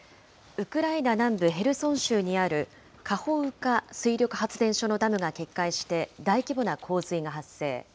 ウクライナ南部ヘルソン州にあるカホウカ水力発電所のダムが決壊して大規模な洪水が発生。